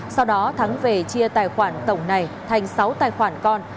sau đó thắng về chia tài khoản tổng này thành sáu tài khoản con